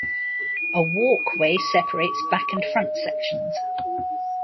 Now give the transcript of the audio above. A walkway separates back and front sections.